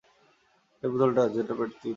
সেই পুতুলটা, যেটার পেট টিপিলে।